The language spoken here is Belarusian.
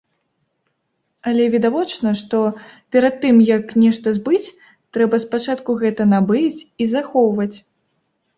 Але відавочна, што перад тым, як нешта збыць, трэба спачатку гэта набыць і захоўваць.